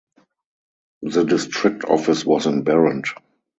The district office was in Berent.